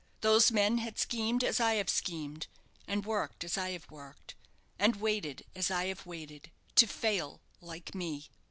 Those men had schemed as I have schemed, and worked as I have worked, and waited as I have waited to fail like me!"